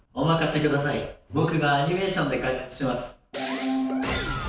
僕がアニメーションで解説します。